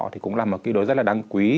thì cũng là một cái đối rất là đáng quý